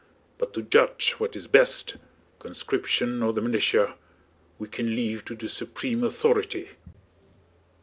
But to judge what is best—conscription or the militia—we can leave to the supreme authority...."